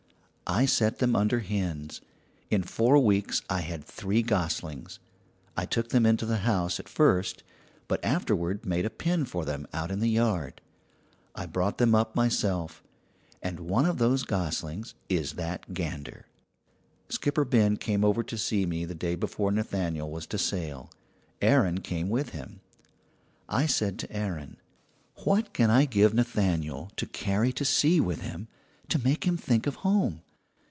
"I set them under hens. In four weeks I had three goslings. I took them into the house at first, but afterward made a pen for them out in the yard. I brought them up myself, and one of those goslings is that gander. "Skipper Ben came over to see me the day before Nathaniel was to sail. Aaron came with him. "I said to Aaron: "'What can I give Nathaniel to carry to sea with him to make him think of home?